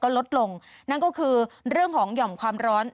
ลดลงนั่นก็คือเรื่องของหย่อมความร้อน